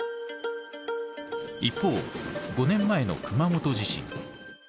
一方５年前の熊本地震。